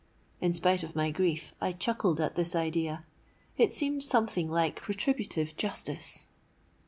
In spite of my grief I chuckled at this idea; it seemed something like retributive justice.